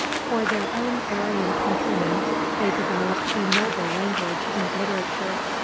For their own Aryan countrymen they developed a noble language and literature.